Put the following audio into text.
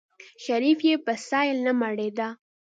شريف يې په سيل نه مړېده.